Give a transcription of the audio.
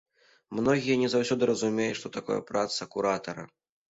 Многія не заўсёды разумеюць, што такое праца куратара.